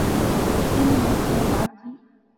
ان میں وہ نہ تھی۔